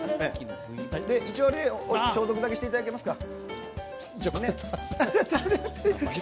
一応消毒だけしていただけますか。